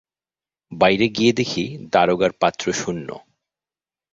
বাইরে গিয়ে দেখি দারোগার পাত্র শূন্য।